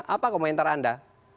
apa komentar anda